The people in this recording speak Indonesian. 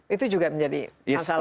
itu juga menjadi masalah